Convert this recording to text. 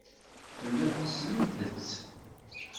Tellam tessnem-tt.